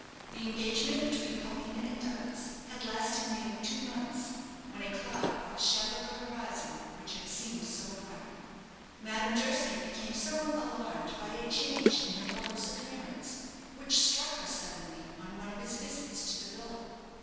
The engagement between Paulina and Douglas had lasted nearly two months, when a cloud overshadowed the horizon which had seemed so bright. Madame Durski became somewhat alarmed by a change in her lover's appearance, which struck her suddenly on one of his visits to the villa.